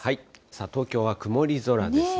東京は曇り空ですね。